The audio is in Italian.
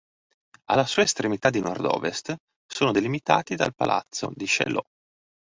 Alla sua estremità di nordovest sono delimitati dal palazzo di Chaillot.